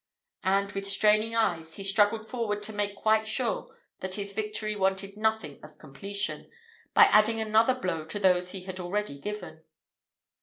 And, with straining eyes, he struggled forward to make quite sure that his victory wanted nothing of completion, by adding another blow to those he had already given.